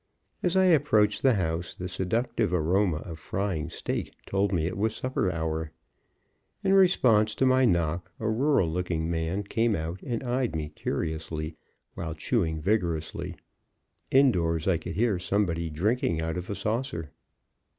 As I approached the house the seductive aroma of frying steak told me it was supper hour. In response to my knock a rural looking man came out and eyed me curiously, while chewing vigorously. Indoors I could hear somebody drinking out of a saucer.